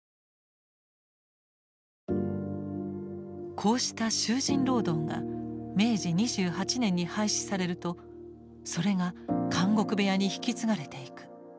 こうした囚人労働が明治２８年に廃止されるとそれが「監獄部屋」に引き継がれていく。